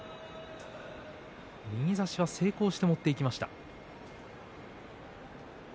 右差しは成功して持っていきました。